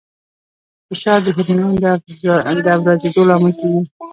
فشار د هورمونونو د افرازېدو لامل کېږي.